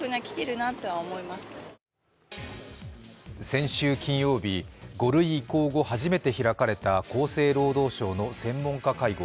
先週金曜日、５類移行後初めて開かれた厚生労働省の専門家会合。